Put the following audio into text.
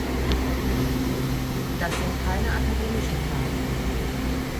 Das sind keine akademischen Fragen.